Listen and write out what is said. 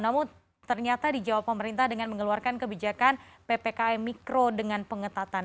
namun ternyata dijawab pemerintah dengan mengeluarkan kebijakan ppkm mikro dengan pengetatan